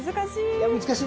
難しい。